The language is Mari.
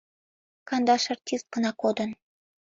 Кандаш артист гына кодын.